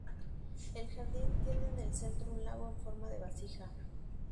El jardín tiene en el centro un lago en forma de vasija.